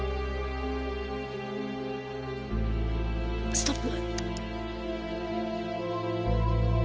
ストップ。